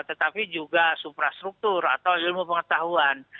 tetapi juga suprastruktur atau ilmu pengetahuan